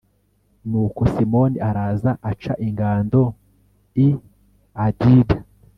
nuko simoni araza aca ingando i adida